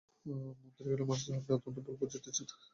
মন্ত্রী কহিলেন, মহারাজ, আপনি অত্যন্ত ভুল বুঝিতেছেন।